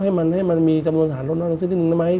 ใช่ไหมครับให้มันมีจำนวนสารล่วนนิดนึงนะไหม